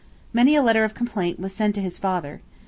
Many a letter of complaint was sent to his father.